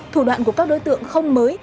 thủ đoạn của các đối tượng không mới